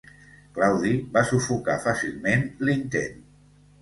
Claudi va sufocar fàcilment l'intent.